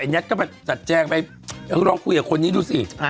ไอด์แยทก็จัดแจ้งไปลองคุยกับคนมองดูสิ